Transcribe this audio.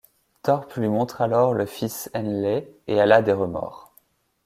Thorpe lui montre alors le fils Henley et elle a des remords.